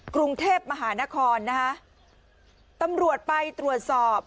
กรุงเทพมหานครนะคะตำรวจไปตรวจสอบ